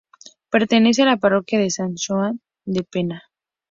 Pertenece a la parroquia de San Xoán de Pena.